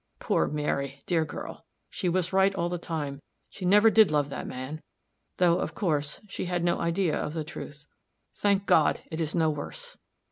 "Poor Mary, dear girl! she was right all the time. She never did love that man though, of course, she had no idea of the truth. Thank God, it is no worse!"